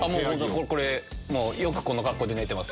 よくこの格好で寝てます。